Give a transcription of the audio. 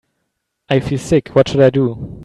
I feel sick, what should I do?